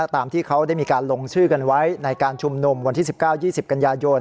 ตามที่เขาได้มีการลงชื่อกันไว้ในการชุมนุมวันที่๑๙๒๐กันยายน